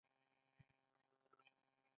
د بدن د پوستکي د سپینولو لپاره څه شی وکاروم؟